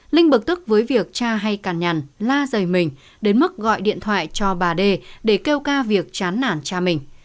linh bực tức với việc cha hay càn nhằn la rời mình đến mức gọi điện thoại cho bà đê để kêu ca việc chán nản cha mình